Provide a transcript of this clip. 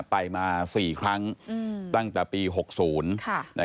ไปมา๔ครั้งตั้งแต่ปี๖๐